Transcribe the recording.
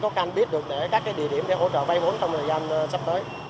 có can biết được các địa điểm để hỗ trợ vai vốn trong thời gian sắp tới